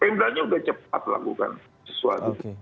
mbaknya sudah cepat melakukan sesuatu